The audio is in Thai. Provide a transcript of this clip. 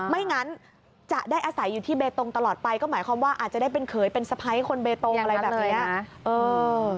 ไม่งั้นจะได้อาศัยอยู่ที่เบตงตลอดไปก็หมายความว่าอาจจะได้เป็นเขยเป็นสะพ้ายคนเบตงอะไรแบบนี้